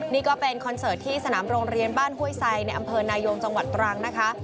นี่ก็เป็นคอนเสิร์ตที่สนามโรงเรียนบ้านห้วยไซในอำเภอนายงจังหวัดตรังนะคะ